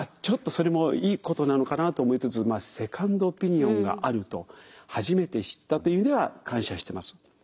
ちょっとそれもいいことなのかなと思いつつセカンドオピニオンがあると初めて知ったという意味では感謝してます。